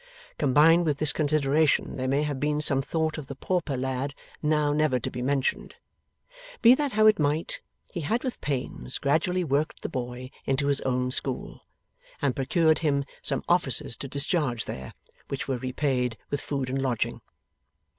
Combined with this consideration, there may have been some thought of the pauper lad now never to be mentioned. Be that how it might, he had with pains gradually worked the boy into his own school, and procured him some offices to discharge there, which were repaid with food and lodging.